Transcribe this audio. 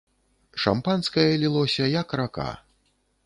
Шампанскае лілося як рака.